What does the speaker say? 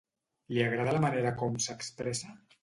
Li agrada la manera com s'expressa?